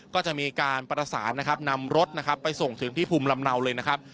ก็จะมีการประสานนะครับนำรถนะครับไปส่งถึงที่ภูมิลำเนาเลยนะครับ